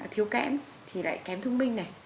thiếu kẽm thì lại kém thương minh này